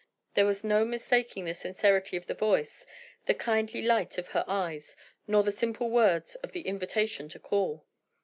There was no mistaking the sincerity of the voice, the kindly light of her eyes, nor the simple words of the invitation to call.